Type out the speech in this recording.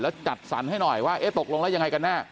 แล้วจัดสรรให้หน่อยว่าเอ๊ะตกลงแล้วยังไงกันแน่